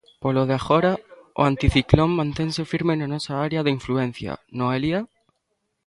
Polo de agora, o anticiclón mantense firme na nosa área de influencia, Noelia?